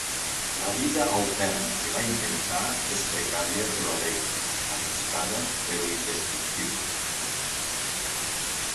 La vida al Perm que va inventar és precària però alegre, arriscada però indestructible.